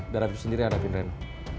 darah itu sendiri ada di reno